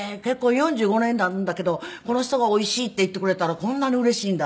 ４５年になるんだけどこの人が「おいしい」って言ってくれたらこんなにうれしいんだ。